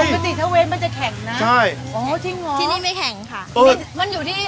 ได้เลยค่ะปกติถ้าเวฟมันจะแข็งนะใช่อ๋อที่นี่ไม่แข็งค่ะมันอยู่ที่